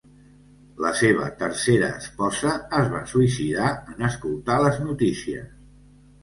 La seva tercera esposa es va suïcidar en escoltar les notícies.